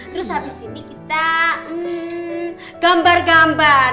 terus habis ini kita gambar gambar